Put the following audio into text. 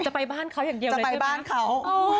จะไปบ้านเขาอย่างเดียวเลยใช่มั้ยจะไปบ้านเขา